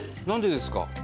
何でですか？